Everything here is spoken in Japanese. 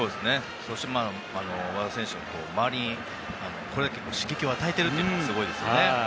そして、和田選手が周りにこれだけ刺激を与えているというのがすごいですね。